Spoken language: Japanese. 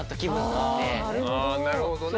ああなるほどね。